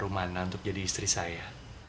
rumahnya untuk jadi istri saya